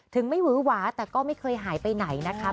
ไม่หวือหวาแต่ก็ไม่เคยหายไปไหนนะคะ